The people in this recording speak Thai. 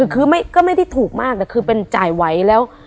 คือก็ไม่ได้ถูกมากแต่คือเป็นจ่ายไว้แล้ว